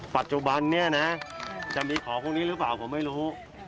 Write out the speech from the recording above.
ปัจจุบันนี้นะจะมีของพวกนี้หรือเปล่าผมไม่รู้